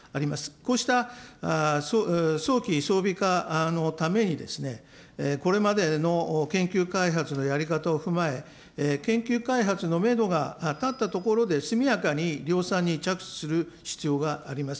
こうした早期装備化のために、これまでの研究開発のやり方を踏まえ、研究開発のメドが立ったところで、速やかに量産に着手する必要があります。